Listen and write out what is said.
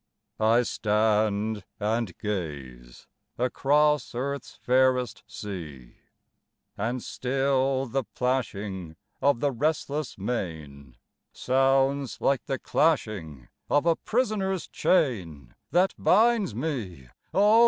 I stand and gaze across Earth's fairest sea, And still the plashing of the restless main, Sounds like the clashing of a prisoner's chain, That binds me, oh!